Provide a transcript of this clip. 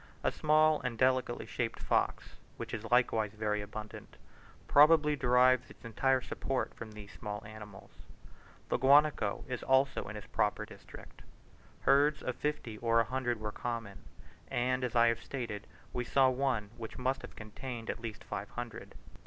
A small and delicately shaped fox, which is likewise very abundant, probably derives its entire support from these small animals. The guanaco is also in his proper district, herds of fifty or a hundred were common; and, as I have stated, we saw one which must have contained at least five hundred.